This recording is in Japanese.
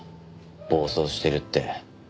暴走してるって。